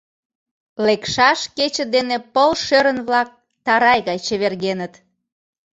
Лекшаш кече дене пыл шӧрын-влак тарай гай чевергеныт.